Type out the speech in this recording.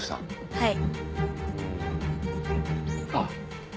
はい。